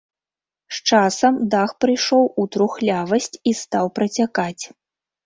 З часам дах прыйшоў у трухлявасць і стаў працякаць.